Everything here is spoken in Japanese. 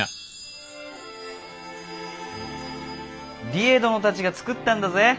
梨江殿たちが作ったんだぜ。